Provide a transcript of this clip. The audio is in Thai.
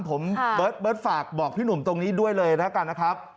ผมเบิร์ตฝากบอกพี่หนุ่มตรงนี้ด้วยเลยแล้วกันนะครับ